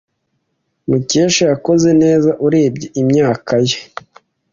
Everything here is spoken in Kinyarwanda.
Mukesha yakoze neza urebye imyaka ye.